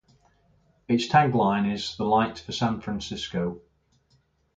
Its tag line is "The Light for San Francisco".